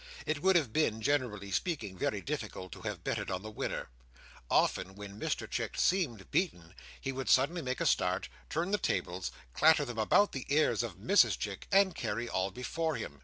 It would have been, generally speaking, very difficult to have betted on the winner. Often when Mr Chick seemed beaten, he would suddenly make a start, turn the tables, clatter them about the ears of Mrs Chick, and carry all before him.